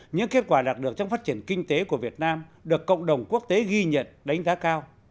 những kết quả đạt được trong phát triển kinh tế của việt nam được cộng đồng quốc tế ghi nhận đánh giá cao